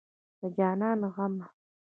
د جانان غمه